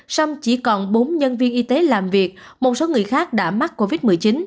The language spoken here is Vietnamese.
xong chỉ còn bốn nhân viên y tế làm việc một số người khác đã mắc covid một mươi chín